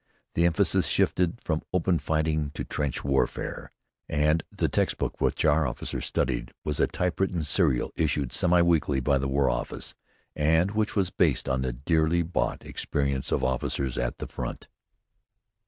The emphasis shifted from open fighting to trench warfare, and the textbook which our officers studied was a typewritten serial issued semiweekly by the War Office, and which was based on the dearly bought experience of officers at the front.